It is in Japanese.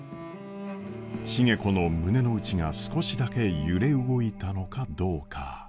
重子の胸の内が少しだけ揺れ動いたのかどうか。